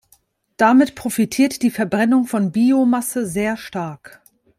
Damit profitiert die Verbrennung von Biomasse sehr stark.